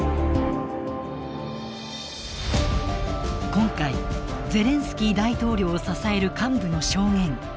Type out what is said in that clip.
今回ゼレンスキー大統領を支える幹部の証言